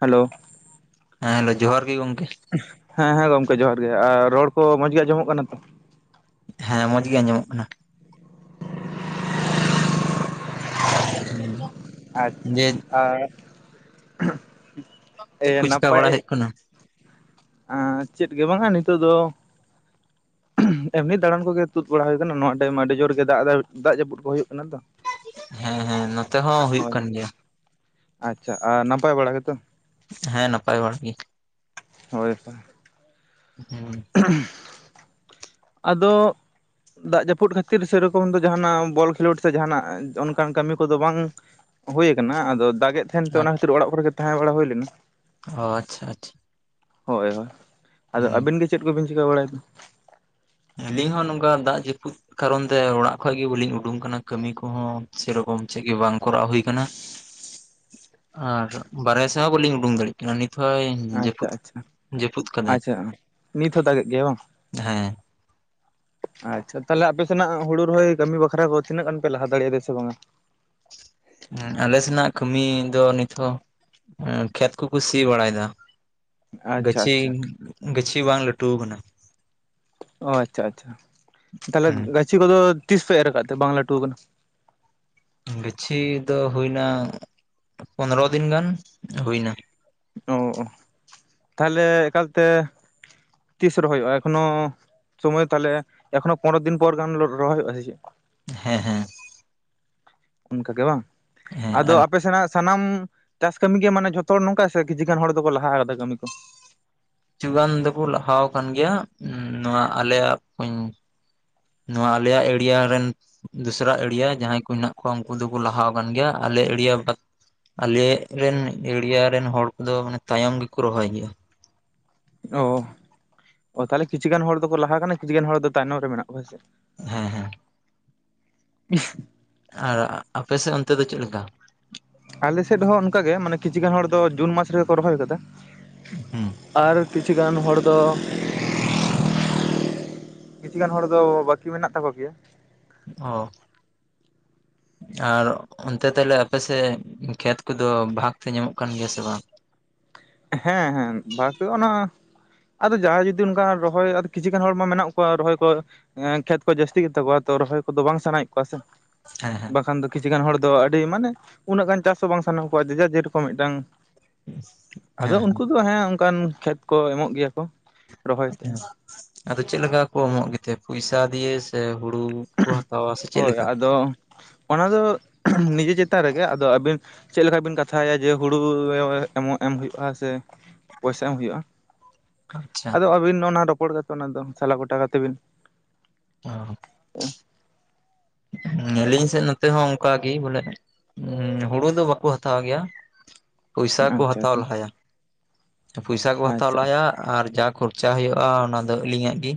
Hello ᱦᱮᱸ hello ᱡᱚᱦᱟᱨ ᱜᱮ ᱜᱚᱝᱠᱮ ᱦᱮᱸ ᱦᱮᱸ ᱜᱚᱝᱠᱮ ᱡᱚᱦᱟᱨ ᱜᱮ ᱟᱨ ᱨᱚᱲ ᱠᱚ ᱢᱚᱸᱡᱽ ᱜᱮ ᱟᱸᱡᱚᱢᱚᱜ ᱠᱟᱱᱟ ᱛᱚ, ᱦᱮᱸ ᱢᱚᱸᱡᱽ ᱜᱮ ᱟᱸᱡᱚᱢᱚᱜ ᱠᱟᱱᱟ᱾ [inaudible] ᱟᱪᱪᱷᱟ ᱡᱮ ᱟᱨ ᱪᱮᱫ ᱮᱭᱟ ᱠᱚ ᱪᱤᱠᱟ ᱱᱟᱯᱟᱭ ᱵᱟᱲᱟ ᱦᱩᱭᱩᱜ ᱠᱟᱱᱟ ᱟᱸ ᱪᱮᱫ ᱜᱮ ᱵᱟᱝᱟ ᱱᱤᱛᱚᱜ ᱫᱚ ᱮᱢᱱᱤ ᱫᱟᱬᱟᱱ ᱠᱚᱜᱮ ᱛᱩᱫ ᱵᱟᱲᱟ ᱦᱩᱭ ᱠᱟᱱᱟ ᱱᱚᱣᱟ ᱴᱟᱭᱤᱢ ᱢᱟ ᱟᱹᱰᱤ ᱡᱳᱨ ᱜᱮ ᱫᱟᱜ ᱫᱟᱜ ᱡᱟᱹᱯᱩᱫ ᱠᱚ ᱦᱩᱭᱩᱜ ᱠᱟᱱᱟ ᱛᱚ᱾ ᱦᱮᱸ ᱦᱮᱸ ᱱᱚᱛᱮ ᱦᱚᱸ ᱦᱩᱭᱩᱜ ᱦᱳᱭ ᱠᱟᱱ ᱜᱮᱭᱟ᱾ ᱟᱪᱪᱷᱟ ᱟᱨ ᱱᱟᱯᱟᱭ ᱵᱟᱲᱟ ᱜᱮᱛᱚ᱾ ᱦᱮᱸ ᱱᱟᱯᱟᱭ ᱵᱟᱲᱟ ᱜᱮ᱾ ᱦᱳᱭ [unintelligible] ᱦᱩᱸ ᱟᱫᱚ ᱫᱟᱜ ᱡᱟᱹᱯᱩᱫ ᱠᱷᱟᱹᱛᱤᱨ ᱥᱮᱨᱚᱠᱚᱢ ᱫᱚ ᱡᱟᱦᱟᱱᱟᱜ ᱵᱚᱞ ᱠᱷᱮᱞᱳᱰ ᱥᱮ ᱡᱟᱦᱟᱱᱟᱜ ᱚᱱᱠᱟᱱ ᱠᱟᱹᱢᱤ ᱠᱚᱫᱚ ᱵᱟᱝ - ᱦᱳᱭ ᱠᱟᱱᱟ᱾ ᱟᱫᱚ ᱫᱟᱜᱮᱫ ᱛᱟᱦᱮᱱ ᱛᱮ, ᱚᱱᱟ ᱠᱷᱟᱹᱛᱤᱨ ᱚᱲᱟᱜ ᱠᱚᱨᱮ ᱜᱮ ᱛᱟᱦᱮᱸ ᱵᱟᱲᱟ ᱦᱩᱭ ᱞᱮᱱᱟ ᱾ ᱚ ᱟᱪᱪᱷᱟ, ᱟᱪᱪᱷᱟ ᱾ ᱦᱳᱭ, ᱦᱳᱭ᱾ ᱟᱫᱚ ᱟᱹᱵᱤᱱ ᱜᱮ ᱪᱮᱫ ᱠᱚᱵᱤᱱ ᱪᱤᱠᱟᱹ ᱵᱟᱲᱟᱭ ᱫᱟ? ᱟᱹᱞᱤᱧ ᱦᱚᱸ ᱱᱚᱝᱠᱟ ᱫᱟᱜ ᱡᱟᱹᱯᱩᱫ ᱠᱟᱨᱚᱱ ᱛᱮ ᱚᱲᱟᱜ ᱠᱷᱚᱡᱽ ᱜᱮ ᱵᱟᱹᱞᱤᱧ ᱩᱰᱩᱝ ᱠᱟᱱᱟ ᱠᱟᱹᱢᱤ ᱠᱚ ᱦᱚᱸ ᱥᱮᱨᱚᱠᱚᱢ ᱪᱮᱫ ᱜᱮ ᱵᱟᱝ ᱠᱚᱨᱟᱣ ᱦᱳᱭ ᱠᱟᱱᱟ ᱾ [inaudible] ᱟᱨ ᱵᱟᱨᱦᱮ ᱥᱮᱸ ᱦᱚᱸ ᱵᱟᱹᱞᱤ ᱩᱰᱩᱝ ᱫᱟᱲᱮᱜᱼᱟ᱾ ᱱᱤᱛ ᱦᱚᱸᱭ ᱟᱪᱪᱷᱟ ᱡᱟᱹᱯᱩᱫ, ᱟᱪᱪᱷᱟ ᱡᱟᱹᱯᱩᱫ ᱠᱟᱫᱟᱭ ᱾ ᱟᱪᱪᱷᱟ ᱱᱤᱛ ᱦᱚᱸ ᱫᱟᱜᱮᱜ ᱜᱮᱭᱟ ᱵᱟᱝ? ᱦᱮᱸ ᱾ ᱟᱪᱪᱷᱟ ᱛᱟᱦᱚᱞᱮ ᱟᱯᱮ ᱥᱮᱱᱟᱜ ᱦᱳᱲᱳ ᱨᱚᱦᱚᱭ ᱠᱟᱹᱢᱤ ᱵᱟᱠᱷᱨᱟ ᱠᱚ ᱛᱤᱱᱟᱹᱜ ᱜᱟᱱ ᱯᱮ ᱞᱟᱦᱟ ᱫᱟᱲᱮᱭᱟᱫ-ᱟ ᱥᱮ ᱵᱟᱝᱼᱟ? ᱩᱸ ᱟᱞᱮ ᱥᱮᱱᱟᱜ ᱠᱟᱹᱢᱤ ᱫᱚ ᱱᱤᱛ ᱦᱚᱸ ᱩᱸ ᱠᱷᱮᱛ ᱠᱚᱠᱚ ᱥᱤ ᱵᱟᱲᱟᱭ ᱫᱟ ᱾ ᱟᱪᱪᱷᱟ ᱜᱟᱹᱪᱷᱤ, ᱟᱪᱪᱷᱟ ᱜᱟᱹᱪᱷᱤ ᱵᱟᱝ ᱞᱟᱹᱴᱩ ᱠᱟᱱᱟ ᱾ ᱚ ᱟᱪᱪᱷᱟ, ᱟᱪᱪᱷᱟ ᱛᱟᱦᱚᱞᱮ ᱜᱟᱹᱪᱷᱤ ᱠᱚᱫᱚ ᱛᱤᱥ ᱯᱮ ᱮᱨ ᱠᱟᱫ ᱛᱮ ᱵᱟᱝ ᱞᱟᱹᱴᱩ ᱠᱟᱱᱟ? ᱜᱟᱹᱪᱷᱤ ᱫᱚ ᱦᱳᱭ ᱱᱟ ᱯᱚᱸᱫᱽᱨᱚ ᱫᱤᱱ ᱜᱟᱱ ᱦᱳᱭ ᱱᱟ᱾ ᱚ ᱛᱟᱦᱚᱞᱮ ᱮᱠᱟᱞ ᱛᱮ ᱛᱤᱥ ᱨᱚᱦᱚᱭᱚᱜᱼᱟ? ᱮᱠᱷᱚᱱᱚ ᱥᱚᱢᱚᱭ ᱛᱟᱦᱚᱞᱮ ᱮᱠᱷᱚᱱᱚ ᱯᱚᱸᱱᱮᱨᱚ ᱫᱤᱱ ᱯᱚᱨ ᱜᱟᱱ ᱨᱚᱦᱚᱭ ᱦᱳᱭᱳᱜᱼᱟ ᱥᱮ ᱪᱮᱫ ᱦᱮᱸ, ᱦᱮᱸ᱾ ᱚᱱᱠᱟ ᱜᱮ ᱵᱟᱝ, ᱦᱮᱸ ᱟᱫᱚ ᱟᱨ ᱟᱯᱮ ᱥᱮᱱᱟᱜ ᱥᱟᱱᱟᱢ ᱪᱟᱥ ᱠᱟᱹᱢᱤ ᱜᱮ ᱢᱟᱱᱮ ᱡᱷᱚᱛᱚ ᱦᱚᱲ ᱱᱚᱝᱠᱟ ᱥᱮ, ᱠᱤᱪᱷᱩ ᱜᱟᱱ ᱦᱚᱲ ᱫᱚ ᱠᱚ ᱞᱟᱦᱟ ᱠᱟᱫᱟ ᱠᱟᱹᱢᱤ ᱠᱚ? ᱠᱤᱪᱷᱩ ᱜᱟᱱ ᱫᱚ ᱠᱚ ᱞᱟᱦᱟᱣ ᱠᱟᱱ ᱜᱮᱭᱟ᱾ ᱩᱸ ᱱᱚᱶᱟ ᱟᱞᱮᱭᱟᱜ ᱠᱩ ᱱᱚᱣᱟ ᱟᱞᱮᱭᱟᱜ ᱮᱨᱤᱭᱟ ᱨᱮᱱ ᱫᱩᱥᱨᱟ ᱮᱲᱤᱭᱟ ᱡᱟᱦᱟᱸᱭ ᱠᱚ ᱦᱮᱱᱟᱜ ᱠᱚᱣᱟ, ᱩᱱᱠᱩ ᱫᱚ ᱠᱚ ᱞᱟᱦᱟ ᱟᱠᱟᱱ ᱜᱮᱭᱟ, ᱟᱞᱮ ᱮᱲᱤᱭᱟ ᱵᱟ ᱟᱞᱮ ᱨᱮᱱ ᱮᱲᱤᱭᱟ ᱨᱮᱱ ᱦᱚᱲ ᱠᱚ ᱫᱚ ᱢᱟᱱᱮ ᱛᱟᱭᱚᱢ ᱜᱮ ᱠᱚ ᱨᱚᱦᱚᱭ ᱜᱮᱭᱟ ᱾ ᱚ ᱛᱟᱦᱚᱞᱮ ᱠᱤᱪᱷᱩ ᱜᱟᱱ ᱦᱚᱲ ᱫᱚ ᱠᱚ ᱞᱟᱦᱟ ᱠᱟᱱᱟ, ᱠᱤᱪᱷᱩ ᱜᱟᱱ ᱦᱚᱲ ᱫᱚ ᱛᱟᱭᱱᱚᱢ ᱨᱮ ᱢᱮᱱᱟᱜ ᱠᱚᱣᱟ ᱥᱮ ᱾ ᱦᱮᱸ, ᱦᱮᱸ ᱾ [inaudible] ᱟᱨ ᱟᱯᱮ ᱥᱮᱫ ᱚᱱᱛᱮ ᱫᱚ ᱪᱮᱫ ᱞᱮᱠᱟ? ᱟᱞᱮ ᱥᱮᱫ ᱦᱚᱸ ᱚᱱᱠᱟ ᱜᱮ, ᱢᱟᱱᱮ ᱠᱤᱪᱷᱩ ᱜᱟᱱ ᱦᱚᱲ ᱫᱚ ᱡᱩᱱ ᱢᱟᱥ ᱨᱮᱜᱮ ᱠᱚ ᱨᱚᱦᱚᱭ ᱠᱟᱫᱟ ᱦᱩᱸ ᱟᱨ ᱠᱤᱪᱷᱩ ᱜᱟᱱ ᱦᱚᱲ ᱫᱚ ᱠᱤᱪᱷᱩ ᱜᱟᱱ ᱦᱚᱲ ᱫᱚ ᱵᱟᱠᱤ ᱢᱮᱱᱟᱜ ᱛᱟᱠᱚ ᱜᱮᱭᱟ ᱾ ᱚ ᱟᱨ ᱚᱱᱛᱮ ᱛᱟᱦᱚᱞᱮ ᱟᱯᱮ ᱥᱮᱫ ᱠᱷᱮᱛ ᱠᱚ ᱫᱚ ᱵᱷᱟᱜᱽ ᱛᱮ ᱧᱟᱢᱚᱜ ᱠᱟᱱ ᱜᱮᱭᱟ ᱥᱮ ᱵᱟᱝ? ᱦᱮᱸ, ᱦᱮᱸ ᱵᱷᱟᱜᱽ ᱛᱮ ᱫᱚ ᱚᱱᱟ ᱟᱫᱚ ᱡᱟᱦᱟᱸᱭ ᱡᱩᱫᱤ ᱚᱱᱠᱟ ᱨᱚᱦᱚᱭ ᱟᱨ ᱠᱤᱪᱷᱩ ᱜᱟᱱ ᱦᱚᱲ ᱢᱟ ᱢᱮᱱᱟᱜ ᱠᱚᱣᱟ ᱨᱚᱦᱚᱭ ᱠᱚ ᱠᱷᱮᱛ ᱠᱚ ᱡᱟᱹᱥᱛᱤ ᱜᱮᱛᱟ ᱠᱚᱣᱟ ᱛᱚ, ᱨᱚᱦᱚᱭ ᱠᱚ ᱫᱚ ᱵᱟᱝ ᱥᱟᱱᱟᱭᱮᱫ ᱠᱚᱣᱟ ᱥᱮ ᱦᱮᱸ ᱦᱮᱸ ᱾ ᱵᱟᱠᱷᱟᱱ ᱫᱚ ᱠᱤᱪᱷᱩ ᱜᱟᱱ ᱦᱚᱲ ᱫᱚ ᱟᱹᱰᱤ ᱢᱟᱱᱮ ᱩᱱᱟᱹᱜ ᱜᱟᱱ ᱪᱟᱥ ᱦᱚᱸ ᱵᱟᱝ ᱥᱟᱱᱟ ᱠᱚᱣᱟ ᱡᱮᱨᱚᱠᱚᱢ ᱢᱤᱫᱴᱟᱝ [inaudible] ᱟᱫᱚ ᱩᱱᱠᱩ ᱫᱚ ᱦᱮᱸ ᱚᱱᱠᱟᱱ ᱠᱷᱮᱛ ᱠᱚ ᱮᱢᱚᱜ ᱜᱮᱭᱟ ᱠᱚ ᱾ ᱟᱫᱚ ᱪᱮᱫ ᱞᱮᱠᱟ ᱠᱚ ᱮᱢᱚᱜ ᱜᱮᱛᱮ, ᱯᱚᱭᱥᱟ ᱫᱤᱭᱮ ᱥᱮ ᱦᱩᱲᱩ? ᱠᱚ ᱦᱟᱛᱟᱣᱟ ᱥᱮ ᱪᱮᱫ ᱦᱳᱭ, ᱞᱮᱠᱟ? ᱟᱫᱚ ᱚᱱᱟ ᱫᱚ ᱱᱤᱡᱮ ᱪᱮᱛᱟᱱ ᱨᱮᱜᱮ, ᱟᱫᱚ ᱟᱹᱵᱤᱱ ᱪᱮᱫ ᱞᱮᱠᱟ ᱵᱤᱱ ᱠᱟᱛᱷᱟᱭᱟ ᱡᱮ, ᱦᱩᱲᱩ ᱮ-ᱮᱢᱚᱜ ᱮᱢ ᱦᱩᱭᱩᱜᱼᱟ ᱥᱮ ᱯᱚᱭᱥᱟ ᱮᱢ ᱦᱳᱭᱳᱜᱼᱟ᱾ ᱟᱪᱪᱷᱟ ᱟᱫᱚ ᱟᱵᱤᱱ ᱚᱱᱟ ᱨᱚᱯᱚᱲ ᱠᱟᱛᱮ ᱚᱱᱟ ᱫᱚ ᱥᱟᱞᱟ ᱜᱚᱴᱟ ᱠᱟᱛᱮ ᱵᱤᱱ ᱚ [inaudible] [unintelligible] ᱥᱮ ᱱᱚᱛᱮ ᱦᱚᱸ ᱚᱱᱠᱟ ᱜᱮ ᱵᱚᱞᱮ᱾ ᱦᱳᱲᱳ ᱫᱚ ᱵᱟᱠᱚ ᱦᱟᱛᱟᱣ ᱜᱮᱭᱟ ᱾ ᱯᱚᱭᱥᱟ ᱠᱚ ᱟᱪᱪᱷᱟ ᱦᱟᱸᱛᱟᱣ ᱟᱪᱪᱷᱟ ᱞᱟᱦᱟᱭᱟ, ᱯᱚᱭᱥᱟ ᱠᱚ ᱦᱟᱸᱛᱟᱣ ᱟᱪᱪᱷᱟ ᱞᱟᱦᱟᱭᱟ ᱾ ᱟᱨ ᱡᱟ ᱠᱷᱚᱨᱪᱟ ᱦᱳᱭᱳᱜᱼᱟ, ᱚᱱᱟ ᱫᱚ ᱟᱹᱞᱤᱧᱟᱜ ᱜᱮ,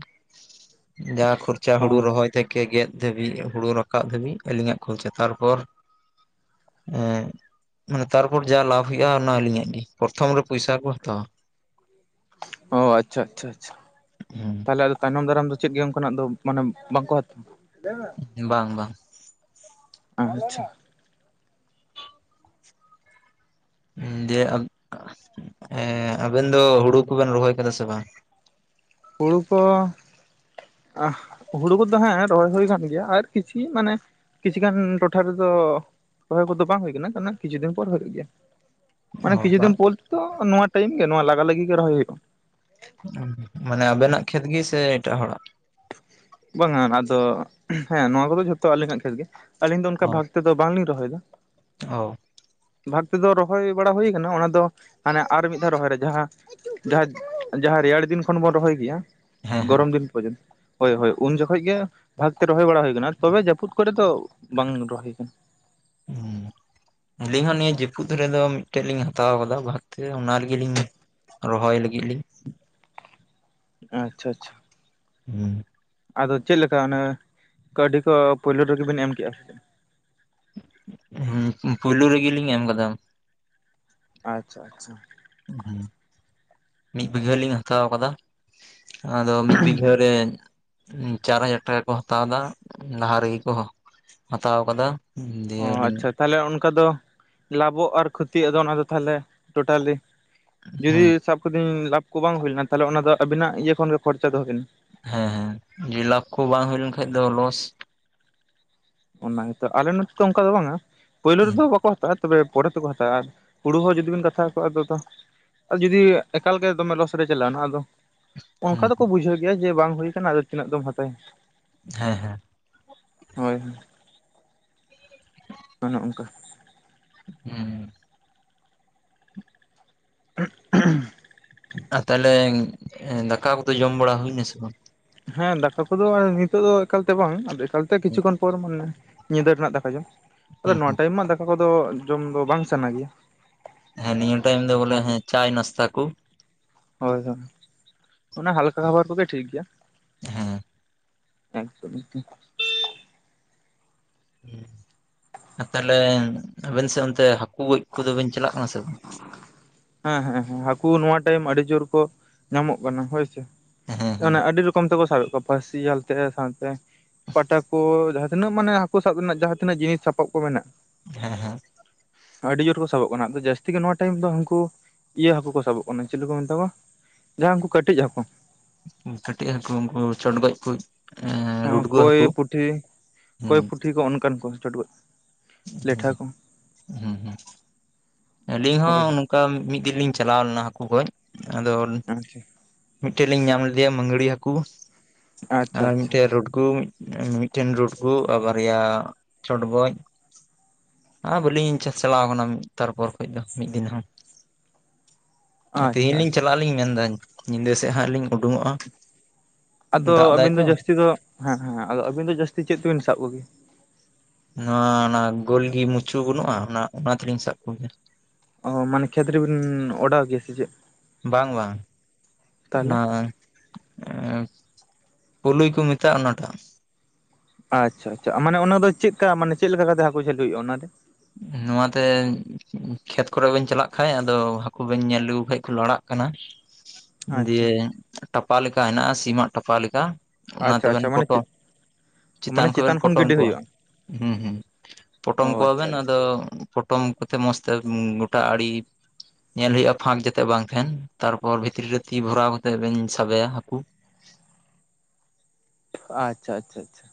ᱡᱟ ᱠᱷᱚᱨᱪᱟ ᱚ ᱦᱩᱲᱩ ᱨᱚᱦᱚᱭ ᱛᱮ ᱜᱮ ᱜᱮᱫ ᱫᱷᱟᱹᱵᱤᱡᱽ ᱦᱳᱲᱳ ᱨᱟᱠᱟᱵ ᱫᱷᱟᱹᱵᱤᱡ, ᱟᱹᱞᱤᱧᱟᱜ ᱠᱷᱚᱨᱪᱟ᱾ ᱛᱟᱨᱯᱚᱨ ᱮ ᱢᱟᱱᱮ ᱛᱟᱨᱯᱚᱨ ᱡᱟ ᱞᱟᱵᱷ ᱦᱳᱭᱳᱜᱼᱟ, ᱚᱱᱟ ᱟᱹᱞᱤᱧᱟᱜ ᱜᱮ ᱯᱚᱨᱚᱛᱷᱚᱢ ᱨᱮ ᱯᱚᱭᱥᱟ ᱠᱚ ᱦᱟᱛᱟᱣᱟ ᱾ ᱚ ᱟᱪᱪᱷᱟ, ᱟᱪᱪᱷᱟ, ᱟᱪᱪᱷᱟ ᱛᱟᱦᱚᱞᱮ ᱟᱫᱚ ᱛᱟᱭᱱᱚᱢ ᱫᱟᱨᱟᱢ ᱫᱚ ᱪᱮᱫ ᱜᱮ ᱚᱱᱠᱟᱱᱟᱜ ᱫᱚ ᱢᱟᱱᱮ ᱵᱟᱝ ᱠᱚ [inaudible] ᱵᱟᱝ, ᱵᱟᱝ ᱾ ᱟᱪᱪᱷᱟ ᱾ ᱫᱤᱭᱮ ᱦᱮᱸ ᱟᱵᱮᱱ ᱫᱚ ᱦᱩᱲᱩ ᱠᱩᱵᱮᱱ ᱨᱚᱦᱚᱭ ᱠᱟᱫᱟ ᱥᱮ ᱵᱟᱝ? ᱦᱩᱲᱩ ᱠᱚ ᱟᱦᱚ ᱦᱩᱲᱩ ᱠᱚᱫᱚ ᱦᱮᱸ ᱨᱚᱦᱚᱭ ᱦᱩᱭ ᱠᱟᱱ ᱜᱮᱭᱟ, ᱟᱨ ᱠᱤᱪᱷᱩ ᱢᱟᱱᱮ ᱠᱤᱪᱷᱩ ᱜᱟᱱ ᱴᱚᱴᱷᱟ ᱨᱮᱫᱚ ᱨᱚᱦᱚᱭ ᱠᱚᱫᱚ ᱵᱟᱝ ᱦᱩᱭ ᱠᱟᱱᱟ, ᱚᱱᱮ ᱠᱤᱪᱷᱩ ᱫᱤᱱ ᱯᱚᱨ ᱦᱩᱭᱩᱜ ᱜᱮᱭᱟ ᱾ ᱚ ᱢᱟᱱᱮ ᱠᱤᱪᱷᱩ ᱫᱤᱱ ᱵᱟᱝ ᱯᱚᱨ ᱛᱚ, ᱱᱚᱣᱟ ᱴᱟᱭᱤᱢ ᱜᱮ ᱱᱚᱣᱟ ᱞᱟᱜᱟ ᱞᱟᱹᱜᱤᱫ ᱜᱮ ᱨᱚᱦᱚᱭ ᱦᱩᱭᱩᱜᱼᱟ ᱾ ᱢᱟᱱᱮ ᱟᱵᱮᱱᱟᱜ ᱠᱷᱮᱛ ᱜᱮ ᱥᱮ ᱮᱴᱟᱜ ᱦᱚᱲᱟᱜ? ᱵᱟᱝ ᱟᱱ ᱟᱫᱚ ᱦᱮᱸ ᱱᱚᱣᱟ ᱠᱚᱫᱚ ᱡᱷᱚᱛᱚ ᱟᱹᱞᱤᱧᱟᱜ ᱠᱷᱮᱛ ᱜᱮ, ᱟᱹᱞᱤᱧ ᱫᱚ ᱚᱱᱠᱟ ᱚ ᱵᱷᱟᱜ ᱛᱮᱫᱚ ᱵᱟᱝ ᱞᱤᱧ ᱨᱚᱦᱚᱭ ᱫᱚ ᱾ ᱚ ᱵᱷᱟᱜ ᱛᱮᱫᱚ ᱨᱚᱦᱚᱭ ᱵᱟᱲᱟ ᱦᱩᱭ ᱠᱟᱱᱟ, ᱚᱱᱟ ᱫᱚ ᱦᱟᱱᱮ ᱟᱨ ᱢᱤᱫ ᱫᱷᱟᱣ ᱨᱚᱦᱚᱭ ᱨᱮ ᱡᱟᱦᱟᱸ ᱡᱟᱦᱟᱸ, ᱡᱟᱦᱟᱸ ᱨᱮᱭᱟᱲ ᱫᱤᱱ ᱠᱷᱚᱱ ᱵᱚᱱ ᱨᱚᱦᱚᱭ ᱜᱮᱭᱟ, ᱦᱮᱸ ᱦᱮᱸ ᱜᱚᱨᱚᱢ ᱫᱤᱱ ᱯᱚᱨᱡᱚᱱᱛᱚ ᱦᱳᱭ, ᱦᱳᱭ ᱩᱱ ᱡᱚᱠᱷᱚᱱ ᱜᱮ ᱵᱷᱟᱜᱽ ᱛᱮ ᱨᱚᱦᱚᱭ ᱵᱟᱲᱟ ᱦᱩᱭᱩ ᱠᱟᱱᱟ, ᱛᱚᱵᱮ ᱡᱟᱹᱯᱩᱫ ᱠᱚᱨᱮ ᱫᱚ ᱵᱟᱝ ᱨᱚᱦᱚᱭ ᱠᱟᱱᱟ ᱾ ᱦᱩᱸ [inaudible] ᱟᱹᱞᱤᱧ ᱦᱚᱸ ᱱᱤᱭᱟᱹ ᱡᱟᱹᱯᱩᱫ ᱨᱮᱫᱚ ᱢᱤᱫᱴᱮᱱ ᱞᱤᱧ ᱦᱟᱛᱟᱣ ᱠᱟᱫᱟ ᱵᱷᱟᱜ ᱛᱮ ᱚᱱᱟ ᱨᱮᱜᱮ ᱞᱤᱧ ᱨᱚᱦᱚᱭ ᱞᱟᱹᱜᱤᱫ ᱞᱤᱧ ᱾ ᱟᱪᱷᱟ, ᱟᱪᱪᱷᱟ ᱾ ᱦᱩᱸ ᱾ ᱟᱫᱚ ᱪᱮᱫ ᱞᱮᱠᱟ ᱚᱱᱟ ᱠᱟᱹᱣᱰᱤ ᱠᱚ ᱯᱳᱭᱞᱳ ᱨᱮᱜᱮᱵᱤᱱ ᱮᱢᱠᱮᱜᱼᱟ ᱥᱮ ᱦᱩᱸ ᱯᱩᱭᱞᱩ ᱨᱮᱜᱤ ᱞᱤᱧ ᱮᱢ ᱠᱟᱫᱟ ᱾ ᱟᱪᱪᱷᱟ, ᱟᱪᱪᱷᱟ ᱾ ᱦᱩᱸ ᱢᱤᱫ ᱵᱤᱜᱷᱟᱹ ᱞᱤᱧ ᱦᱟᱛᱟᱣ ᱠᱟᱫᱟ ᱾ ᱟᱫᱚ ᱢᱤᱫ ᱵᱤᱜᱷᱟᱹ ᱨᱮ ᱪᱟᱨ ᱦᱟᱡᱟᱨ ᱴᱟᱠᱟ ᱠᱚ ᱦᱟᱛᱟᱣ ᱫᱟ, ᱞᱟᱦᱟ ᱨᱮᱜᱮ ᱠᱚ ᱦᱟᱛᱟᱣ ᱟᱠᱟᱫᱟ ᱾ ᱦᱩᱸ ᱫᱤᱭᱮ ᱚ ᱟᱹᱞᱤᱧ ᱟᱪᱪᱷᱟ ᱛᱟᱦᱚᱞᱮ ᱚᱱᱠᱟ ᱫᱚ ᱞᱟᱵᱚᱜ ᱟᱨ ᱠᱷᱚᱛᱤᱭᱟᱜ ᱫᱚ ᱚᱱᱟ ᱫᱚ ᱛᱟᱦᱚᱞᱮ ᱴᱳᱴᱟᱞᱤ ᱡᱩᱫᱤ ᱦᱮᱸ ᱥᱟᱵ ᱠᱟᱹᱫᱟᱹᱧ ᱞᱟᱵᱷ ᱠᱚ ᱵᱟᱝ ᱦᱩᱭ ᱞᱮᱱᱟ, ᱛᱟᱦᱚᱞᱮ ᱚᱱᱟ ᱫᱚ ᱟᱵᱤᱱᱟᱜ ᱤᱭᱟᱹ ᱠᱷᱚᱱ ᱜᱮ ᱠᱷᱚᱨᱪᱟ ᱫᱚ ᱦᱩᱭ ᱱᱟ ᱾ ᱦᱮᱸ, ᱦᱮᱸ ᱡᱩᱫᱤ ᱞᱟᱵᱷ ᱠᱚ ᱵᱟᱝ ᱦᱩᱭ ᱞᱮᱱᱠᱷᱟᱡ ᱫᱚ ᱞᱚᱥ ᱾ ᱚᱱᱟ ᱜᱮᱛᱚ, ᱟᱞᱮ ᱱᱚᱛᱮ ᱫᱚ ᱚᱱᱠᱟ ᱫᱚ ᱵᱟᱝᱼᱟ, ᱯᱳᱭᱞᱳ ᱦᱩᱸ ᱨᱮᱫᱚ ᱵᱟᱠᱚ ᱦᱟᱛᱟᱣᱟ ᱾ ᱛᱚᱵᱮ ᱯᱚᱨᱮ ᱛᱮᱠᱚ ᱦᱟᱛᱟᱣᱼᱟ, ᱟᱨ ᱦᱩᱲᱩ ᱦᱚᱸ ᱡᱩᱫᱤ ᱵᱤᱱ ᱠᱟᱛᱷᱟ ᱟᱠᱳ ᱟᱫᱚ ᱛᱚ ᱡᱩᱫᱤ ᱮᱠᱟᱞ ᱜᱮ ᱫᱚᱢᱮ ᱞᱚᱥ ᱨᱮ ᱪᱟᱞᱟᱣᱱᱟ ᱟᱫᱚ ᱚᱱᱠᱟ ᱦᱩᱸ ᱫᱚᱠᱚ ᱵᱩᱡᱷᱟᱹᱣ ᱜᱮᱭᱟ ᱡᱮ ᱵᱟᱝ ᱦᱩᱭ ᱠᱟᱱᱟ, ᱟᱫᱚ ᱛᱤᱱᱟᱹᱜ ᱫᱚᱢ ᱦᱟᱛᱟᱣᱟ ᱾ ᱦᱮᱸ, ᱦᱮᱸ ᱾ ᱦᱳᱭ ᱦᱳᱭ ᱚᱱᱮ ᱚᱱᱠᱟᱼᱼ ᱦᱩᱸ [inaudible] ᱟᱨ ᱛᱟᱦᱞᱮ ᱫᱟᱠᱟ ᱠᱚᱫᱚ ᱡᱚᱢ ᱵᱟᱲᱟ ᱦᱩᱭ ᱱᱟ ᱥᱮ ᱵᱟᱝ ᱦᱮᱸ ᱫᱟᱠᱟ ᱠᱚᱫᱚ ᱱᱤᱛᱚᱜ ᱫᱚ ᱮᱠᱟᱞ ᱛᱮ ᱵᱟᱝ ᱮᱠᱟᱞ ᱛᱮ ᱠᱤᱪᱷᱩ ᱠᱷᱚᱱ ᱯᱚᱨ ᱢᱟᱱᱮᱼᱼ ᱧᱤᱫᱟᱹ ᱨᱮᱱᱟᱜ ᱫᱟᱠᱟ ᱡᱚᱢ ᱟᱫᱚ ᱦᱩᱸ ᱱᱚᱣᱟ ᱦᱩᱸ ᱴᱟᱭᱤᱢ ᱢᱟ ᱫᱟᱠᱟ ᱠᱚᱫᱚ ᱡᱚᱢ ᱫᱚ ᱵᱟᱝ ᱥᱟᱱᱟ ᱜᱮᱭᱟ ᱦᱮᱸ ᱱᱤᱭᱟᱹ ᱴᱟᱭᱤᱢ ᱫᱚ ᱵᱚᱞᱮ ᱚᱱᱟᱛᱮ ᱦᱮᱸ ᱪᱟᱭ ᱱᱟᱥᱛᱟ ᱠᱚ ᱦᱳᱭ ᱦᱳᱭ ᱚᱱᱟ ᱦᱟᱞᱠᱟ ᱠᱷᱟᱵᱟᱨ ᱠᱚ ᱜᱮ ᱴᱷᱤᱠ ᱜᱮᱭᱟ ᱦᱮᱸ [unintelligible] ᱟ ᱛᱟᱦᱞᱮ ᱟᱵᱮᱱ ᱥᱮᱫ ᱚᱱᱛᱮ ᱦᱟᱹᱠᱩ ᱜᱚᱡ ᱠᱚᱫᱚ ᱵᱮᱱ ᱪᱟᱞᱟᱜ ᱠᱟᱱᱟ ᱥᱮ ᱵᱟᱝ ᱦᱮᱸ ᱦᱮᱸ ᱦᱮᱸ ᱦᱟᱹᱠᱩ ᱱᱚᱣᱟ ᱴᱟᱭᱤᱢ ᱟᱹᱰᱤ ᱡᱳᱨ ᱠᱚ ᱧᱟᱢᱚᱜ ᱠᱟᱱᱟ ᱦᱳᱭ ᱥᱮ ᱦᱮᱸ ᱦᱮᱸ [unintelligible] ᱟᱹᱰᱤ ᱨᱚᱠᱚᱢ ᱠᱚᱢ ᱛᱮᱠᱚ ᱥᱟᱵᱮᱫ ᱠᱚᱣᱟ ᱯᱟᱹᱥᱤ ᱡᱟᱞ ᱛᱮ ᱥᱟᱶ ᱛᱮᱼᱼ ᱯᱟᱴᱟ ᱠᱚ, ᱡᱟᱦᱟᱸ ᱛᱤᱱᱟᱹᱜ ᱢᱟᱱᱮ ᱦᱟᱹᱠᱳ ᱥᱟᱵ ᱨᱮᱱᱟᱜ ᱡᱟᱦᱟᱸ ᱛᱤᱱᱟᱹᱜ ᱡᱤᱱᱤᱥ ᱥᱟᱯᱟᱵ ᱠᱚ ᱢᱮᱱᱟᱜ ᱦᱮᱸ ᱦᱮᱸ ᱟᱹᱰᱤ ᱡᱳᱨ ᱠᱚ ᱥᱟᱵᱚᱜ ᱠᱟᱱᱟ ᱟᱫᱚ ᱡᱟᱹᱥᱛᱤ ᱜᱮ ᱱᱚᱣᱟ ᱴᱟᱭᱤᱢ ᱫᱚ ᱦᱟᱹᱱᱠᱩ᱾ ᱤᱭᱟᱹ ᱦᱟᱹᱠᱳ ᱠᱚ ᱥᱟᱵᱚᱜ ᱠᱟᱱᱟ, ᱪᱤᱞᱤ ᱠᱚ ᱢᱮᱛᱟ ᱠᱚᱣᱟ ᱡᱟᱦᱟᱸ ᱩᱱᱠᱩ ᱠᱟᱹᱴᱤᱡ ᱦᱟᱹᱠᱳ᱾ ᱠᱟᱹᱴᱤᱡ ᱦᱟᱹᱠᱳ, ᱩᱱᱠᱩ ᱪᱚᱰᱜᱚᱡ ᱠᱩᱡᱼᱼ ᱦᱚᱸ ᱠᱳᱭ ᱯᱩᱴᱷᱤ, ᱠᱳᱭ ᱦᱩᱸ ᱯᱩᱴᱷᱤ ᱠᱚ ᱚᱱᱠᱟᱱ ᱠᱚ ᱪᱚᱰᱜᱚᱡ ᱞᱮᱴᱷᱟ ᱠᱚ᱾ ᱦᱩᱸ ᱦᱩᱸ ᱟᱹᱞᱤᱧ ᱦᱚᱸ ᱦᱳᱭ ᱦᱳᱭ ᱩᱱ᱾ ᱚᱠᱟ ᱢᱤᱫ ᱫᱤᱱ ᱞᱤᱧ ᱪᱟᱞᱟᱣ ᱞᱮᱱᱟ ᱦᱟᱹᱠᱩ ᱜᱚᱡ, ᱟᱫᱚᱼᱼ [unintelligible] ᱢᱤᱫᱴᱮᱡ ᱞᱤᱧ ᱧᱟᱢ ᱞᱮᱫᱮᱭᱟ ᱢᱟᱹᱜᱽᱲᱤ ᱦᱟᱹᱠᱩ, ᱟᱪᱪᱷᱟ ᱟᱨ ᱟᱪᱪᱷᱟ ᱢᱤᱫᱴᱮᱡ ᱨᱳᱰᱜᱩ ᱢᱤᱫᱼᱢᱤᱫ᱾ ᱴᱮᱱᱼᱨᱩᱰᱜᱩ ᱟᱨ ᱵᱟᱨᱭᱟ ᱪᱚᱰᱜᱚᱡᱼᱼ ᱟᱨ ᱵᱟᱹᱞᱤᱧ ᱪᱟᱥ ᱪᱟᱞᱟᱣ ᱠᱟᱱᱟ ᱢᱤᱫ ᱛᱟᱨᱯᱚᱨ ᱠᱷᱚᱡ ᱫᱚ ᱢᱤᱫ ᱫᱤᱱ ᱦᱚᱸ᱾ ᱟ ᱛᱮᱦᱮᱧ ᱟᱪᱪᱷᱟ ᱞᱤᱧ ᱟᱪᱪᱷᱟ ᱪᱟᱞᱟᱜ ᱟᱹᱞᱤᱧ ᱢᱮᱱ ᱫᱟᱹᱧ, ᱧᱤᱫᱟᱹ ᱥᱮᱜ ᱦᱟᱸᱜ ᱞᱤᱧ ᱩᱸᱰᱩᱝᱚᱜᱼᱟ᱾ ᱟᱫᱚ ᱟᱵᱤᱱ ᱫᱚ ᱡᱟᱹᱥᱛᱤ ᱫᱚ, ᱦᱮᱸ ᱦᱮᱸ ᱟᱫᱚ ᱟᱵᱤᱱ ᱫᱚ ᱡᱟᱹᱥᱛᱤ ᱪᱮᱫ ᱛᱮᱵᱤᱱ ᱥᱟᱵ ᱠᱚᱜᱮᱭᱟ? ᱱᱚᱣᱟ ᱚᱱᱟ ᱜᱳᱞᱜᱮ ᱢᱩᱪᱩ ᱵᱟᱹᱱᱩᱜᱼᱟ ᱚᱱᱟ, ᱚᱱᱟ ᱛᱮᱞᱤᱧ ᱥᱟᱵ ᱠᱚᱜᱮᱭᱟ᱾ ᱚ ᱢᱟᱱᱮ ᱠᱷᱮᱛ ᱨᱮᱵᱤᱱ ᱚᱰᱟᱣ ᱜᱮᱭᱟ ᱥᱮ ᱪᱮᱫ? ᱵᱟᱝ ᱵᱟᱝ ᱛᱟᱦᱚᱞᱮ ᱱᱚᱜᱼᱚᱭ ᱟᱸ ᱯᱩᱞᱩᱭ ᱠᱚ ᱢᱮᱛᱟᱜᱼᱟ ᱚᱱᱟᱴᱟᱜ᱾ ᱟᱪᱪᱷᱟ ᱟᱪᱪᱷᱟ, ᱢᱟᱱᱮ ᱚᱱᱟ ᱫᱚ ᱪᱮᱫᱠᱟ ᱢᱟᱱᱮ ᱪᱮᱫ ᱞᱮᱠᱟ ᱠᱟᱛᱮ ᱦᱟᱹᱠᱳ ᱡᱷᱟᱹᱞᱤ ᱦᱳᱭᱳᱜᱼᱟ ᱚᱱᱟ ᱨᱮ? ᱱᱚᱣᱟ ᱛᱮᱧᱼᱼ ᱠᱷᱮᱛ ᱠᱚᱨᱮ ᱵᱤᱱ ᱪᱟᱞᱟᱜ ᱠᱷᱟᱸᱡ ᱟᱫᱚ ᱦᱟᱠᱳ ᱵᱤᱱ ᱧᱮᱞ ᱟᱹᱜᱩ ᱠᱮᱜᱼᱠᱚ ᱞᱟᱲᱟᱜ ᱠᱟᱱᱟ [inaudible] ᱫᱤᱭᱮ, ᱴᱟᱯᱟ ᱞᱮᱠᱟ ᱦᱮᱱᱟᱜᱼᱟ ᱥᱤᱢᱟᱜ ᱴᱟᱯᱟ ᱞᱮᱠᱟ ᱚᱱᱟ ᱛᱮ ᱟᱪᱪᱷᱟ ᱵᱤᱱ ᱟᱪᱪᱷᱟ ᱢᱟᱱᱮ ᱯᱚᱴᱚᱢ ᱪᱮᱫ ᱪᱤᱛᱟᱱ ᱢᱟᱱᱮ ᱠᱷᱚᱡ ᱵᱤᱱ ᱪᱮᱛᱟᱱ ᱠᱷᱚᱱ ᱯᱚᱴᱚᱢ ᱜᱤᱰᱤ ᱠᱚᱣᱟ, ᱦᱩᱭᱩᱜᱼᱟ ᱦᱩᱸ ᱦᱩᱸ ᱯᱚᱴᱚᱢ ᱚ ᱠᱚᱣᱟ ᱟᱪᱪᱷᱟ ᱵᱤᱱ ᱟᱪᱪᱷᱟ ᱟᱫᱚᱼᱼ ᱛᱚ ᱯᱚᱴᱚᱢ ᱠᱚᱛᱮ ᱢᱚᱸᱡᱽᱛᱮ ᱜᱚᱴᱟ ᱟᱹᱲᱤᱼᱼ ᱧᱮᱞ ᱦᱩᱭᱩᱜᱼᱟ ᱯᱷᱟᱸᱠ ᱡᱟᱛᱮ ᱵᱟᱝ ᱛᱟᱦᱮᱱ ᱛᱟᱨᱯᱚᱨ ᱵᱷᱤᱛᱨᱤ ᱨᱮ ᱛᱤ ᱵᱷᱚᱨᱟᱣ ᱠᱟᱛᱮᱜ ᱞᱤᱧ ᱥᱟᱵᱮᱭᱟ ᱦᱟᱹᱠᱩ᱾ ᱟᱪᱪᱷᱟ ᱟᱪᱪᱷᱟ ᱟᱪᱪᱷᱟ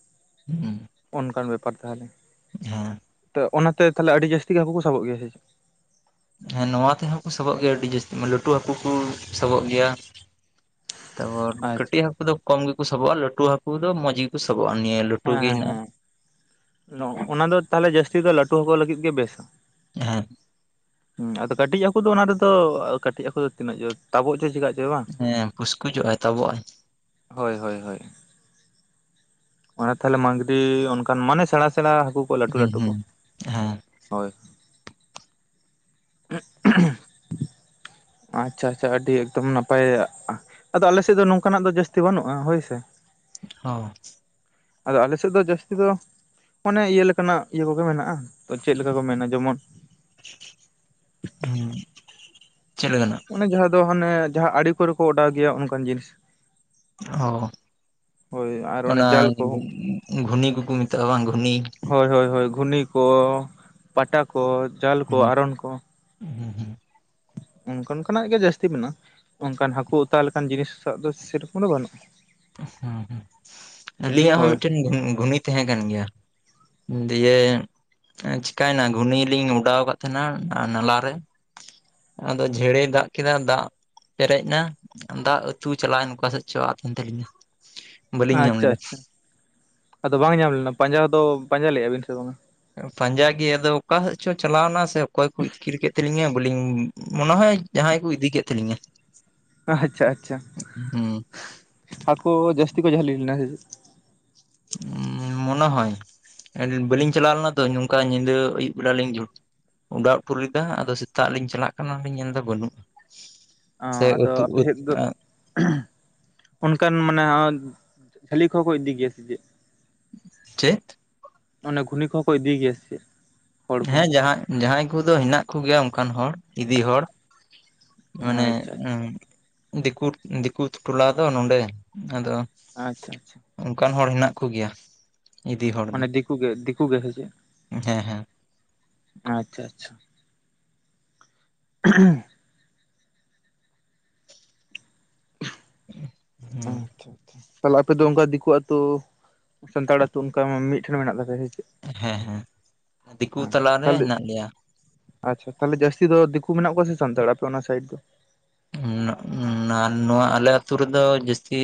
ᱦᱩᱸ ᱚᱱᱠᱟᱱ ᱵᱮᱯᱟᱨ ᱛᱟᱦᱚᱞᱮᱼᱼ [unintelligible] ᱛᱚ ᱚᱱᱟ ᱛᱮ ᱛᱟᱦᱚᱞᱮ ᱟᱹᱰᱤ ᱡᱟᱹᱥᱛᱤ ᱜᱮ ᱦᱟᱹᱠᱩ ᱠᱚ ᱥᱟᱵᱚᱜ ᱜᱮᱭᱟ ᱥᱮ ᱪᱮᱫ? ᱦᱮᱸ ᱱᱚᱣᱟ ᱛᱮᱦᱚᱸ ᱠᱚ ᱥᱟᱵᱚᱜ ᱜᱮᱭᱟ ᱟᱹᱰᱤ ᱡᱟᱹᱥᱛᱤ, ᱞᱟᱹᱴᱩ ᱦᱟᱠᱩ ᱠᱚ ᱥᱟᱵᱚᱜ ᱜᱮᱭᱟ᱾ ᱛᱟᱨᱯᱚᱨ ᱟᱪᱪᱷᱟ ᱠᱟᱹᱴᱤᱡ ᱦᱟᱹᱠᱩ ᱫᱚ ᱠᱚᱢ ᱜᱮᱠᱚ ᱥᱟᱵᱚᱜᱼᱟ, ᱞᱟᱹᱴᱩ ᱦᱟᱹᱠᱩ ᱫᱚ ᱢᱚᱡᱽ ᱜᱮᱠᱚ ᱥᱟᱵᱚᱜᱼᱟ, ᱱᱤᱭᱟᱹ ᱞᱟᱹᱴᱩ ᱜᱮ ᱦᱮᱱᱟᱜᱼᱟ᱾ ᱱᱚ ᱚᱱᱟ ᱫᱚ ᱛᱟᱦᱚᱞᱮ ᱡᱟᱹᱥᱛᱤ ᱫᱚ ᱞᱟᱹᱴᱩ ᱦᱟᱠᱩ ᱞᱟᱹᱜᱤᱫ ᱜᱮ ᱵᱮᱥᱟ᱾ ᱦᱮᱸ ᱦᱩᱸ ᱟᱫᱚ ᱠᱟᱹᱴᱤᱡ ᱦᱟᱹᱠᱩ ᱫᱚ ᱚᱱᱟ ᱨᱮᱫᱚ, ᱟᱫᱚ ᱠᱟᱹᱴᱤᱡ ᱦᱟᱹᱠᱩ ᱫᱚ ᱛᱤᱱᱟᱹᱜ ᱡᱳᱨ ᱛᱟᱵᱚᱜ ᱪᱚᱭ ᱪᱮᱠᱟᱜ ᱪᱚᱭ ᱵᱟᱝ᱾ ᱦᱮᱸ ᱯᱩᱥᱠᱩᱡᱚᱜᱼᱟᱭ ᱛᱟᱵᱚᱜᱼᱟᱭ᱾ ᱦᱳᱭ ᱦᱳᱭ ᱦᱳᱭ᱾ ᱚᱱᱟ ᱛᱟᱦᱚᱞᱮ ᱢᱟᱺᱜᱽᱨᱤ ᱚᱱᱠᱟᱱ ᱢᱟᱱᱮ ᱥᱮᱬᱟ ᱥᱮᱬᱟ ᱦᱟᱹᱠᱩ ᱠᱚ ᱞᱟᱹᱴᱩ ᱦᱩᱸ ᱞᱟᱹᱴᱩ ᱠᱚ, ᱦᱩᱸ ᱦᱮᱸ ᱦᱳᱭ ᱟᱪᱪᱷᱟ ᱟᱪᱪᱷᱟ ᱟᱹᱰᱤ ᱮᱠᱫᱚᱢ ᱱᱟᱯᱟᱭᱟᱜᱼᱟ᱾ ᱟᱫᱚ ᱟᱞᱮ ᱥᱮᱫ ᱫᱚ ᱱᱚᱝᱠᱟᱱᱟᱜ ᱫᱚ ᱡᱟᱹᱥᱛᱤ ᱵᱟᱹᱱᱩᱜᱼᱟ, ᱦᱳᱭ ᱥᱮ᱾ ᱦᱚᱸ ᱟᱫᱚ ᱟᱞᱮ ᱥᱮᱫ ᱫᱚ ᱡᱟᱹᱥᱛᱤ ᱫᱚ ᱚᱱᱮ ᱤᱭᱟᱹ ᱞᱮᱠᱟᱱᱟᱜ ᱤᱭᱟᱹ ᱠᱚᱜᱮ ᱢᱮᱱᱟᱜᱼᱟ, ᱛᱚ ᱪᱮᱫ ᱞᱮᱠᱟ ᱠᱚ ᱢᱮᱱᱟ ᱡᱮᱢᱚᱱ ᱦᱩᱸ ᱪᱮᱫ ᱞᱮᱠᱟᱱᱟᱜ? ᱚᱱᱮ ᱡᱟᱦᱟᱸ ᱫᱚ ᱦᱟᱱᱮ ᱡᱟᱦᱟᱸ ᱟᱲᱮ ᱠᱚᱨᱮ ᱠᱚ ᱚᱰᱟᱣ ᱜᱮᱭᱟ ᱚᱱᱠᱟᱱ ᱡᱤᱱᱤᱥ᱾ ᱚ ᱦᱳᱭ ᱟᱨ ᱚᱱᱮ ᱚᱱᱟ ᱡᱟᱞ ᱠᱚ ᱜᱷᱩᱱᱤ ᱠᱩᱠᱩ ᱢᱮᱛᱟᱜᱼᱟ ᱵᱟᱝ ᱜᱷᱩᱱᱤ᱾ ᱦᱳᱭ ᱦᱳᱭ ᱦᱳᱭ ᱜᱷᱩᱱᱤ ᱠᱚ, ᱯᱟᱴᱟ ᱠᱚ, ᱡᱟᱞ ᱠᱚ, ᱦᱩᱸ ᱟᱨᱚᱱ ᱠᱚ᱾ ᱦᱩᱸ ᱦᱩᱸ ᱚᱱᱠᱟ ᱠᱟᱱᱟᱜ ᱜᱮ ᱡᱟᱹᱥᱛᱤ ᱢᱮᱱᱟᱜᱼᱟ, ᱚᱱᱠᱟᱱ ᱦᱟᱹᱠᱩ ᱚᱛᱟ ᱞᱮᱠᱟᱱ ᱡᱤᱱᱤᱥᱟᱜ ᱫᱚ ᱥᱮᱨᱚᱠᱚᱢ ᱫᱚ ᱵᱟᱹᱱᱩᱜ ᱦᱩᱸᱸᱦᱩᱸ ᱟᱹᱞᱤᱧᱟᱜ ᱦᱚᱸ ᱦᱳᱭ ᱢᱤᱫ ᱴᱮᱱ ᱜᱷᱩᱼᱜᱷᱩᱱᱤ ᱛᱟᱦᱮᱸ ᱠᱟᱱ ᱜᱮᱭᱟ ᱫᱤᱭᱮ ᱟᱸ ᱪᱤᱠᱟᱹᱭᱱᱟ ᱜᱷᱩᱱᱤ ᱞᱤᱧ ᱚᱰᱟᱣ ᱠᱟᱫ ᱛᱟᱦᱮᱱᱟ ᱱᱟᱞᱟᱨᱮ ᱟᱫᱚ ᱡᱷᱮᱲᱮᱭ ᱫᱟᱜ ᱠᱮᱫᱟ, ᱫᱟᱜ ᱯᱮᱨᱮᱡ ᱱᱟ, ᱫᱟᱜ ᱟᱹᱛᱩ ᱪᱟᱞᱟᱣᱮᱱ ᱚᱠᱟ ᱥᱮᱫ ᱪᱚ ᱟᱫᱮᱱ ᱛᱟᱹᱟᱞᱤᱧᱟ ᱟᱪᱪᱷᱟ ᱟᱪᱪᱷᱟ, ᱟᱫᱚ ᱵᱟᱝ ᱧᱟᱢ ᱞᱮᱱᱟ ᱯᱟᱸᱡᱟ ᱫᱚ ᱯᱟᱸᱡᱟ ᱞᱮᱫᱼᱟ ᱵᱤᱱ ᱥᱮ ᱵᱟᱝᱼᱟ? ᱯᱟᱸᱡᱟ ᱜᱮ ᱟᱫᱚ ᱚᱠᱟ ᱥᱮᱫ ᱪᱚ ᱪᱟᱞᱟᱣᱱᱟ ᱥᱮ ᱚᱠᱚᱭ ᱠᱩ ᱤᱛᱠᱤᱨ ᱠᱮᱫ ᱛᱟᱹᱞᱤᱧᱟ ᱵᱟᱹᱞᱤᱧ ᱢᱚᱱᱟ ᱦᱚᱭ ᱡᱟᱦᱟᱸᱭ ᱠᱩ ᱤᱫᱤ ᱠᱮᱫ ᱛᱟᱹᱞᱤᱧᱟ ᱟᱪᱪᱷᱟ ᱟᱪᱪᱷᱟ, ᱦᱩᱸ ᱦᱟᱠᱳ ᱡᱟᱹᱥᱛᱤ ᱠᱚ ᱡᱷᱟᱹᱞᱤ ᱞᱤᱱᱟ ᱥᱮ ᱪᱮᱫ? ᱢᱚᱱᱮ ᱦᱳᱭ, ᱟᱹᱞᱤᱧ ᱵᱟᱹᱞᱤᱧ ᱪᱟᱞᱟᱣ ᱞᱮᱱᱟ ᱛᱚ ᱱᱚᱝᱠᱟ ᱧᱤᱫᱟᱹ ᱟᱹᱭᱩᱵ ᱵᱤᱞᱟ ᱞᱤᱧ [unintelligible] ᱚᱸᱰᱟᱣ ᱩᱴᱩ ᱞᱮᱫᱟ ᱟᱫᱚ ᱥᱮᱛᱟᱜ ᱞᱤᱧ ᱪᱟᱞᱟᱜ ᱠᱟᱱᱟᱞᱤᱧ ᱧᱮᱞᱫᱟ ᱵᱟᱹᱱᱩᱜ ᱥᱮ ᱟᱫᱚ ᱩᱛᱩ ᱟᱯᱮ ᱩᱫ ᱥᱮᱫ ᱫᱚ [inaudible] ᱼᱟ ᱚᱱᱠᱟᱱ ᱢᱟᱱᱮ [unintelligible] ᱠᱷᱟᱹᱞᱤ ᱠᱚᱦᱚᱸ ᱠᱚ ᱤᱫᱤ ᱜᱮᱭᱟ ᱥᱮ ᱪᱮᱫ? ᱪᱮᱫ? ᱚᱱᱮ ᱜᱷᱩᱱᱤ ᱠᱚᱦᱚᱸ ᱠᱚ ᱤᱫᱤ ᱜᱮᱭᱟ ᱥᱮᱪᱮᱫ? ᱦᱮᱸ ᱡᱟᱦᱟᱜ, ᱡᱟᱸᱦᱟᱭ ᱠᱩᱫᱚ ᱦᱮᱱᱟᱜ ᱠᱩ ᱜᱮᱭᱟ ᱚᱱᱠᱟᱱ ᱦᱚᱲ ᱤᱫᱤ ᱦᱚᱲ ᱢᱟᱱᱮ ᱟᱪᱪᱷᱟ ᱟᱪᱪᱷᱟ [unintelligible] ᱫᱤᱠᱩᱴᱼᱫᱤᱠᱩ ᱴᱚᱞᱟ ᱫᱚ ᱱᱚᱰᱮ ᱟᱫᱚ ᱟᱪᱪᱷᱟ ᱟᱪᱪᱷᱟ ᱚᱱᱠᱟᱱ ᱦᱚᱲ ᱦᱮᱱᱟᱜ ᱠᱩ ᱜᱮᱭᱟ ᱢᱟᱱᱮ ᱫᱤᱠᱩ ᱜᱮ ᱫᱤᱠᱩ ᱜᱮ ᱥᱮ ᱪᱮᱫ?, ᱦᱮᱸ ᱦᱮᱸ ᱟᱪᱪᱷᱟ ᱟᱪᱪᱷᱟ [unintelligible] [unintelligible] ᱟᱪᱪᱷᱟ ᱟᱪᱪᱷᱟ [unintelligible] ᱛᱟᱦᱚᱞᱮ ᱟᱯᱮ ᱫᱚ ᱚᱱᱠᱟ ᱫᱤᱠᱩ ᱟᱛᱩ ᱥᱟᱱᱛᱟᱲ ᱟᱛᱩ ᱚᱱᱠᱟ ᱢᱤᱫ ᱴᱷᱮᱱ ᱢᱮᱱᱟᱜ ᱛᱟᱯᱮᱭᱟ ᱥᱮ? [unintelligible] ᱦᱮᱸ ᱦᱮᱸ ᱫᱤᱠᱩ ᱛᱟᱞᱟ ᱟᱪᱪᱷᱟ ᱨᱮ ᱛᱟᱦᱚᱞᱮ ᱦᱮᱱᱟᱜ ᱞᱮᱭᱟ ᱟᱪᱪᱷᱟ ᱛᱟᱦᱚᱞᱮ ᱡᱟᱥᱛᱤ ᱫᱚ ᱫᱤᱠᱩ ᱢᱮᱱᱟᱜ ᱠᱚᱣᱟ ᱥᱮ ᱥᱟᱱᱛᱟᱲ ᱟᱯᱮ ᱚᱱᱟ ᱥᱟᱭᱮᱰ ᱫᱚ? ᱱᱚᱣ ᱱᱚᱣᱟ ᱟᱞᱮ ᱟᱛᱩ ᱨᱮ ᱫᱚ ᱡᱟᱹᱥᱛᱤ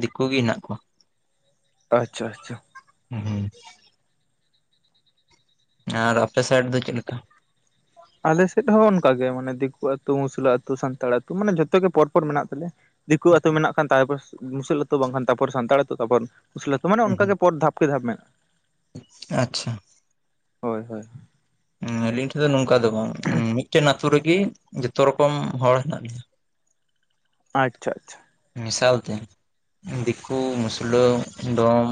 ᱫᱤᱠᱩ ᱜᱮ ᱦᱮᱱᱟᱜ ᱠᱩᱣᱟ᱾ ᱟᱪᱪᱷᱟ ᱟᱪᱪᱷᱟ᱾ ᱦᱩᱸᱻᱩᱸ ᱟᱨ ᱟᱯᱮ ᱥᱟᱭᱮᱰ ᱫᱚ ᱪᱮᱫ ᱞᱮᱠᱟ᱾ ᱟᱞᱮ ᱥᱮᱫ ᱦᱚᱸ ᱚᱱᱠᱟ ᱜᱮ ᱢᱟᱱᱮ ᱫᱤᱠᱩ ᱟᱹᱛᱩ ᱢᱩᱥᱞᱟᱹ ᱟᱹᱛᱩ ᱥᱟᱱᱛᱟᱲ ᱟᱹᱛᱩ ᱢᱟᱱᱮ ᱡᱷᱚᱛᱚ ᱜᱮ ᱯᱚᱨ ᱯᱚᱨ ᱢᱮᱱᱟᱜ ᱛᱟᱞᱮᱭᱟ᱾ ᱫᱤᱠᱩ ᱟᱛᱩ ᱢᱮᱱᱟᱜ ᱠᱷᱟᱱ ᱛᱟᱯᱳᱨ ᱢᱩᱥᱞᱟᱹ ᱟᱛᱩ ᱵᱟᱝᱠᱷᱟᱱ ᱛᱟᱨᱯᱚᱨ ᱥᱟᱱᱛᱟᱲ ᱟᱛᱩ ᱛᱟᱯᱚᱨᱼᱼ ᱠᱩᱥᱞᱟᱹ ᱠᱩ ᱢᱟᱱᱮ ᱚᱱᱠᱟ ᱦᱩᱸ ᱜᱮ ᱯᱚᱨ ᱫᱷᱟᱯ ᱠᱮ ᱫᱷᱟᱯ ᱢᱮᱱᱟᱜ ᱟᱪᱪᱷᱟ᱾ ᱦᱳᱭ, ᱦᱳᱭ ᱟᱞᱤᱧ ᱴᱷᱮᱱ ᱫᱚ ᱱᱚᱝᱠᱟ ᱫᱚ ᱵᱟᱝ ᱢᱤᱫ ᱴᱮᱱ ᱟᱛᱩ ᱨᱮ ᱜᱤ ᱡᱷᱚᱛᱚ ᱨᱚᱠᱚᱢ ᱦᱚᱲ ᱦᱮᱱᱟᱜ ᱞᱤᱧᱟ᱾ ᱟᱪᱪᱷᱟ ᱟᱪᱪᱷᱟ᱾ ᱢᱮᱥᱟᱞ ᱛᱮ ᱫᱤᱠᱩ, ᱢᱩᱥᱞᱟᱹ, ᱰᱚᱢ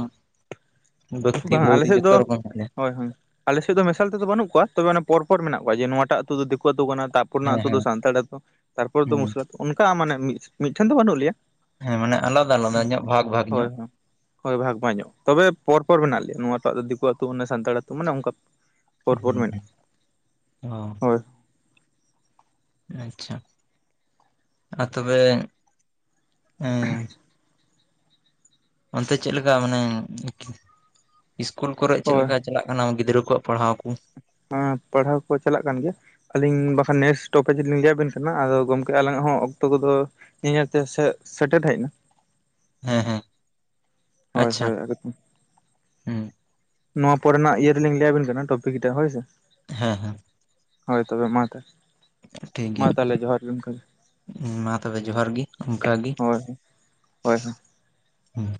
ᱵᱟᱹᱠᱛᱤ ᱵᱟᱝ ᱟᱞᱮ ᱵᱟᱹᱣᱨᱤ ᱥᱮᱫ ᱡᱚᱛᱚ ᱫᱚ ᱨᱚᱠᱚᱢ ᱢᱮᱱᱟᱜ ᱞᱮᱭᱟ᱾ ᱦᱳᱭ, ᱦᱳᱭ ᱟᱞᱮᱥᱮᱫ ᱫᱚ ᱢᱮᱥᱟᱞ ᱛᱮ ᱫᱚ ᱵᱟᱹᱱᱩᱜ ᱠᱚᱣᱟ, ᱛᱚᱵᱮ ᱯᱚᱨ ᱯᱚᱨ ᱢᱮᱱᱟᱜ ᱠᱚᱣᱟ ᱡᱮ ᱱᱚᱣᱟᱴᱟᱜ ᱟᱹᱛᱩ ᱫᱚ ᱫᱤᱠᱩ ᱟᱹᱛᱩ ᱠᱟᱱᱟ ᱛᱟᱯᱼᱼ ᱛᱩ ᱨᱮᱱᱟᱜ ᱞᱮᱭᱟ ᱫᱚ ᱦᱮᱸ ᱦᱮᱸ ᱥᱟᱱᱛᱟᱲ ᱟᱛᱩ ᱛᱟᱨᱯᱚᱨ ᱫᱚ ᱦᱮᱸ ᱢᱩᱥᱞᱟ ᱚᱱᱠᱟ ᱢᱟᱱᱮ ᱢᱤᱫ ᱴᱷᱮᱱ ᱫᱚ ᱵᱟᱹᱱᱩᱜ ᱞᱮᱭᱟ᱾ ᱦᱮᱸ ᱢᱟᱱᱮ ᱟᱞᱟᱫᱟ ᱟᱞᱟᱫᱟ ᱧᱚᱜ ᱵᱷᱟᱜᱽ ᱵᱷᱟᱜ ᱦᱳᱭ ᱧᱚᱜ ᱦᱳᱭ ᱦᱳᱭ ᱵᱷᱟᱜᱽ ᱵᱷᱟᱜᱽ ᱧᱚᱜ, ᱛᱚᱵᱮ ᱯᱚᱨᱼᱯᱚᱨ ᱢᱮᱱᱟᱜ ᱞᱮᱭᱟ ᱱᱚᱣᱟᱴᱟᱜ ᱫᱚ ᱫᱤᱠᱩ ᱟᱹᱛᱩ ᱠᱟᱱᱟ ᱢᱟᱱᱮ ᱥᱟᱱᱛᱟᱲ ᱟᱹᱛᱩ ᱢᱟᱱᱮ ᱚᱱᱠᱟ᱾ ᱯᱚᱨ ᱯᱚᱨ ᱦᱩᱸᱼ ᱢᱮᱱᱟᱜᱼᱟ ᱚ ᱦᱳᱭ ᱟᱪᱪᱷᱟ ᱟᱨ ᱛᱚᱵᱮᱼ ᱮᱸ ᱚᱱᱛᱮ ᱪᱮᱫ ᱞᱮᱠᱟ ᱢᱟᱱᱮ ᱤᱥᱠᱩᱞ ᱠᱚᱨᱮᱜ ᱦᱳᱭ ᱪᱮᱫᱼᱫᱮᱠᱟ᱾ ᱪᱟᱞᱟᱜ ᱠᱟᱱᱟ ᱜᱤᱫᱽᱨᱟᱹ ᱠᱩᱣᱟᱜ ᱯᱟᱲᱦᱟᱣ ᱠᱩᱼᱼ ᱦᱮᱸ ᱯᱟᱲᱦᱟᱣ ᱠᱩ ᱪᱟᱞᱟᱜ ᱠᱟᱱ ᱜᱮᱭᱟ᱾ ᱟᱹᱞᱤᱧ ᱵᱟᱠᱷᱟᱱ ᱱᱮᱠᱥᱴ ᱴᱚᱯᱤᱠ ᱞᱤᱧ ᱞᱟᱹᱭ ᱟᱵᱮᱱ ᱠᱟᱱᱟ ᱟᱫᱚ ᱜᱚᱢᱠᱮ ᱟᱞᱟᱝᱼᱟᱜ ᱦᱚᱸ ᱚᱠᱛᱚ ᱠᱚ ᱫᱚ, ᱧᱮᱧᱮᱞ ᱛᱮ ᱥᱮ ᱥᱮᱴᱮᱨ ᱦᱮᱡ ᱮᱱᱟ, ᱦᱮᱸ ᱦᱮᱸ ᱦᱳᱭ ᱟᱪᱪᱷᱟ ᱦᱳᱭ [inaudible] ᱦᱮᱸ ᱱᱚᱣᱟ ᱯᱚᱨᱮᱱᱟᱜ ᱤᱭᱟᱹ ᱨᱮᱞᱤᱧ ᱞᱟᱹᱭᱟᱵᱤᱱ ᱠᱟᱱᱟ ᱴᱚᱯᱤᱠᱴ ᱦᱳᱭ ᱥᱮ, ᱦᱮᱸ, ᱦᱮᱸ, ᱦᱳᱭ ᱛᱚᱵᱮ ᱢᱟ ᱛᱚᱵᱮ ᱴᱷᱤᱠ ᱢᱟ ᱜᱮᱭᱟ ᱛᱟᱦᱞᱮ ᱡᱚᱦᱟᱨ ᱜᱮ, ᱤᱱᱠᱟᱹ ᱜᱮ ᱢᱟ ᱛᱚᱵᱮ ᱡᱚᱦᱟᱨ ᱜᱤ ᱚᱱᱠᱟ ᱜᱤ ᱦᱳᱭ ᱦᱳᱭ ᱦᱳᱭ ᱦᱩᱸ